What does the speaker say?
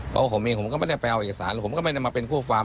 เพราะผมเองผมก็ไม่ได้ไปเอาเอกสารผมก็ไม่ได้มาเป็นคู่ฟาร์